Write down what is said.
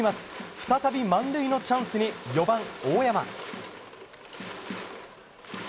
再び満塁のチャンスに４番、大山。